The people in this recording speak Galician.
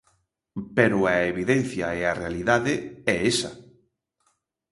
Pero a evidencia e a realidade é esa.